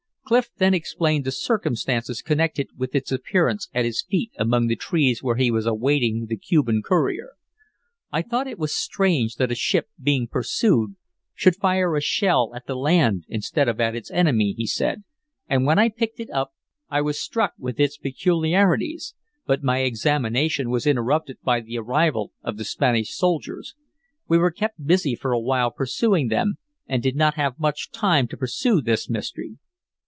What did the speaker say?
Clif then explained the circumstances connected with its appearance at his feet among the trees where he was awaiting the Cuban courier. "I thought it was strange that a ship being pursued should fire a shell at the land instead of at its enemy," he said, "and when I picked it up I was struck with its peculiarities, but my examination was interrupted by the arrival of the Spanish soldiers. We were kept busy for a while pursuing them, and did not have much time to pursue this mystery."